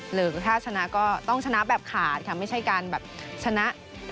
หรือถ้าชนะก็ต้องชนะแบบขาดค่ะไม่ใช่การแบบชนะ